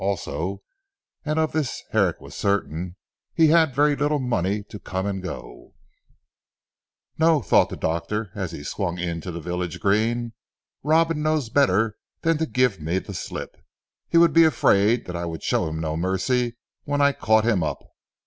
Also and of this Herrick was certain he had very little money to come and go on. "No," thought the doctor, as he swung into the village green, "Robin knows better than to give me the slip. He would be afraid that I would show him no mercy when I caught him up.